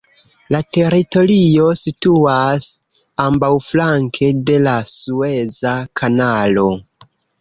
La teritorio situas ambaŭflanke de la Sueza Kanalo.